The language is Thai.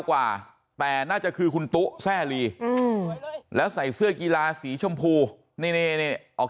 กว่าแต่น่าจะคือคุณตุ๊แซ่ลีแล้วใส่เสื้อกีฬาสีชมพูนี่ออก